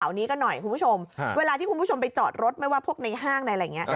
นี้ก็หน่อยคุณผู้ชมเวลาที่คุณผู้ชมไปจอดรถไม่ว่าพวกในห้างในอะไรอย่างนี้